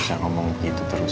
gak usah ngomong begitu terus lah